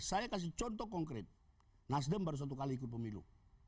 saya kasih contoh konkret nasdem baru satu kali ikut pemilu